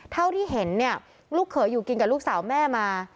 เท่าที่เห็นเนี่ยลูกเขยอยู่กินกับลูกสาวแม่มา